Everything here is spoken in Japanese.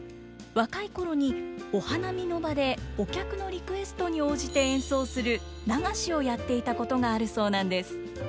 若い頃にお花見の場でお客のリクエストに応じて演奏する流しをやっていたことがあるそうなんです。